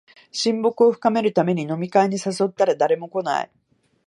親睦を深めるために飲み会に誘ったら誰も来ない